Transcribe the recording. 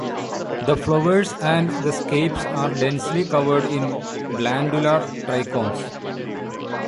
The flowers and the scapes are densely covered in glandular trichomes.